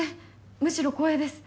むしろ光栄です。